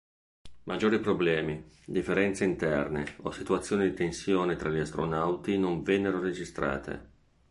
Maggiori problemi, differenze interne o situazioni di tensione tra gli astronauti non vennero registrate.